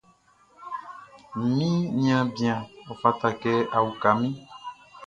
Mi niaan bian, ɔ fata kɛ a uka min.